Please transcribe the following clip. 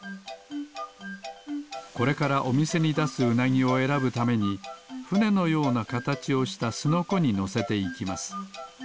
これからおみせにだすウナギをえらぶためにふねのようなかたちをしたスノコにのせていきます。